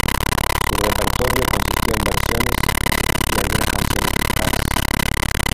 Su repertorio consistió en versiones y algunas canciones de "Scars".